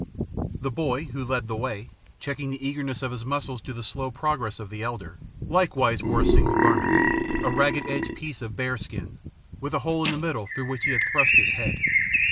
The boy, who led the way, checking the eagerness of his muscles to the slow progress of the elder, likewise wore a single garment a ragged edged piece of bear skin, with a hole in the middle through which he had thrust his head.